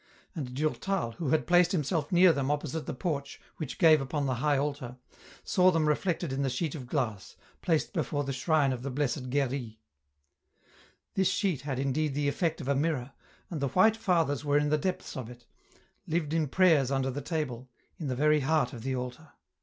And Durtal, who had placed himself near them opposite the porch which gave upon the high altar, saw them reflected in the sheet of glass, placed before the shrine of the Blessed Guerrie. This sheet had indeed the effect of a mirror, and the white fathers were in the depths of it, lived in prayers under the table, in the very heart of the altar.